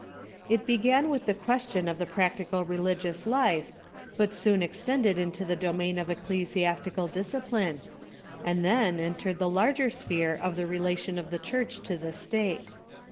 It began with the question of the prac tical religious life, but soon extended into the domain of ec clesiastical discipline, and then entered the larger sphere of the relation of the Church to the State.